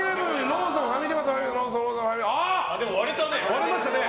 割れましたね。